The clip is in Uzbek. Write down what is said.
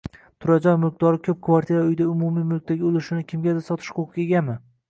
Turar joy mulkdori ko‘p kvartirali uyda umumiy mulkdagi ulushini kimgadir sotish huquqiga egami?